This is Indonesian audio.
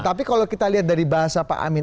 tapi kalau kita lihat dari bahasa pak amin